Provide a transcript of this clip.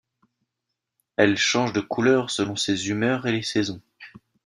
Elle change de couleur selon ses humeurs et les saisons.